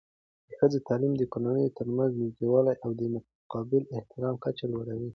د ښځینه تعلیم د کورنیو ترمنځ نږدېوالی او د متقابل احترام کچه لوړوي.